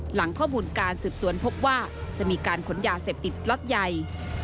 หลังข้อมูลการสืบสวนพบว่าจะมีการขนยาเสพติดล็อตใหญ่